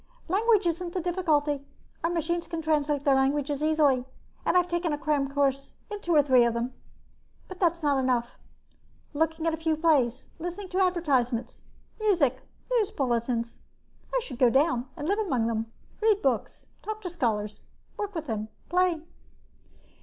"Language isn't the difficulty. Our machines translate their languages easily and I've taken a cram course in two or three of them. But that's not enough, looking at a few plays, listening to advertisements, music, and news bulletins. I should go down and live among them, read books, talk to scholars, work with them, play."